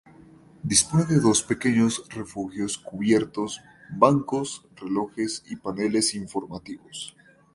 Dispone de dos pequeños refugios cubiertos, bancos, relojes y paneles informativos.